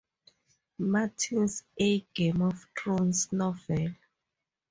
Martin's A Game of Thrones novel.